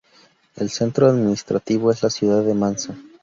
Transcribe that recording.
El centro administrativo es la ciudad de Mansa.